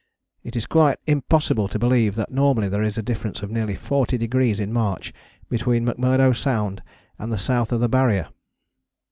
"It is quite impossible to believe that normally there is a difference of nearly 40 degrees in March between McMurdo Sound and the South of the Barrier."